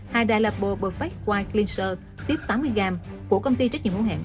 hidalabo perfect white cleanser tiếp tám mươi g của công ty trách nhiệm hữu hàng